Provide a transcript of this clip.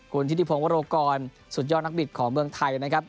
คุณธิติพงศ์วโรกรสุดยอดนักบิดของเมืองไทยนะครับ